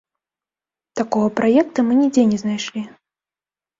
Такога праекта мы нідзе не знайшлі.